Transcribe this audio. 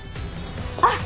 あっ！